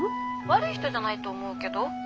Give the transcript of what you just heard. ☎悪い人じゃないと思うけど。